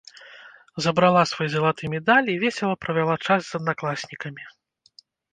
Забрала свой залаты медаль і весела правяла час з аднакласнікамі.